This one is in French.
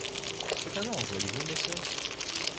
C’est un ange, voyez-vous, mes sœurs.